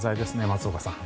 松岡さん。